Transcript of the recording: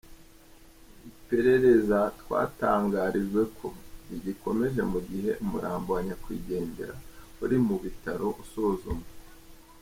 Iperereza twatangarijwe ko rigikomeje mu gihe umurambo wa nyakwigendera uri mu bitaro usuzumwa.